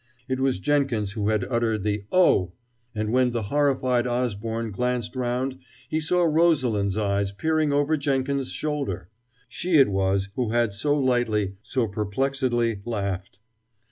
It was Jenkins who had uttered the "Oh!" and when the horrified Osborne glanced round he saw Rosalind's eyes peering over Jenkins's shoulder. She it was who had so lightly, so perplexedly, laughed.